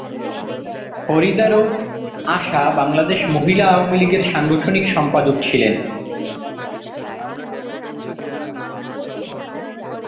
ফরিদা রউফ আশা বাংলাদেশ মহিলা আওয়ামী লীগের সাংগঠনিক সম্পাদক ছিলেন।